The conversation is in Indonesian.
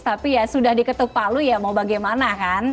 tapi ya sudah diketuk palu ya mau bagaimana kan